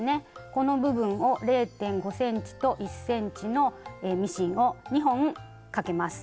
この部分を０．５ｃｍと１ｃｍのミシンを２本かけます。